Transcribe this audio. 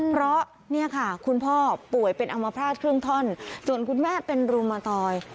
เพราะเนี่ยค่ะคุณพ่อป่วยเป็นอมภาษณ์ครึ่งท่อนส่วนคุณแม่เป็นรูมาตอย